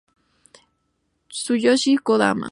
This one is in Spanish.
Tsuyoshi Kodama